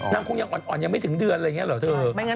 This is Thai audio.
คงยังอ่อนยังไม่ถึงเดือนอะไรอย่างนี้เหรอเธอ